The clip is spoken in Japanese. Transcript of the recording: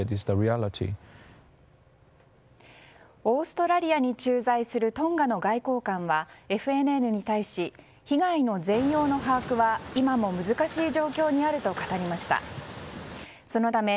オーストラリアに駐在するトンガの外交官はＦＮＮに対し被害の全容の把握は今も難しい状況にあると語りました。